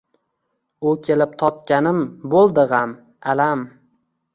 U kelib totganim bo’ldi g’am, alam